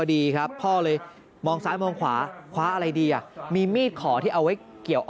ดีครับพ่อเลยมองซ้ายมองขวาคว้าอะไรดีอ่ะมีมีดขอที่เอาไว้เกี่ยว